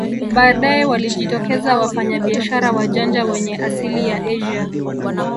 Baadae walijitokeza wafanyabiashara wajanja wenye asili ya Asia